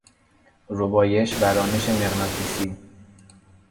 ربایش و رانش مغناطیسی